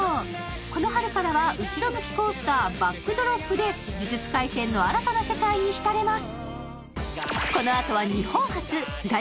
この春からは後ろ向きコースターバックドロップで「呪術廻戦」の新たな世界に浸れます